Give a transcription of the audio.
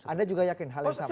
anda juga yakin hal yang sama